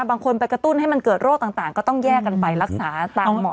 บางคนไปกระตุ้นให้มันเกิดโรคต่างก็ต้องแยกกันไปรักษาตามหมอ